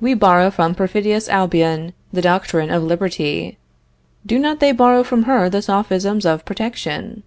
We borrow from perfidious Albion the doctrine of liberty. Do not they borrow from her the sophisms of protection?